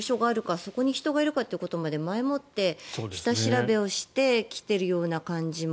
そこに人がいるかってことまで前もって下調べをして来ているような感じを。